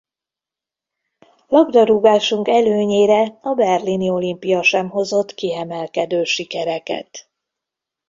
Labdarúgásunk előnyére a berlini olimpia sem hozott kiemelkedő sikereket.